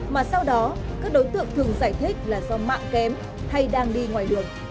mà sau đó các đối tượng thường giải thích là do mạng kém hay đang đi ngoài đường